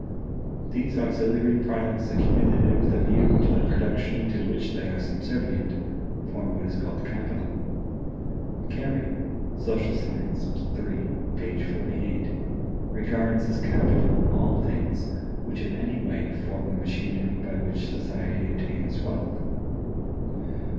"These auxiliary products accumulated with a view to the production to which they are subservient" form what is called capital. Carey ("Social Science," iii, page 48) regards as capital all things which in any way form the machinery by which society obtains wealth.